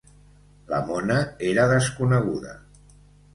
La mona era desconeguda.